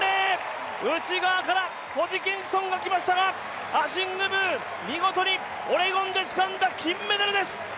内側からホジキンソンが来ましたが、アシング・ムー、見事にオレゴンでつかんだ金メダルです。